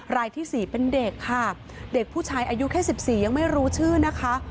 รายที่๔เป็นเด็กค่ะเด็กผู้ชายอายุแค่๑๔ยังไม่รู้ชื่อนะคะ